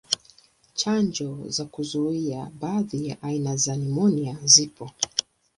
Chanjo za kuzuia baadhi ya aina za nimonia zipo.